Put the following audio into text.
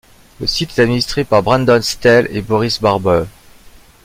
Le site est administré par Brandon Stell et Boris Barbour.